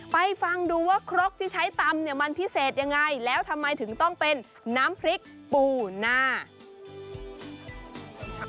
ฟังดูว่าครกที่ใช้ตำเนี่ยมันพิเศษยังไงแล้วทำไมถึงต้องเป็นน้ำพริกปูนา